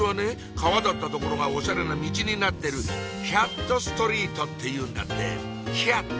川だった所がおしゃれなミチになってるキャットストリートっていうんだってキャット！